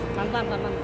tahan tahan tahan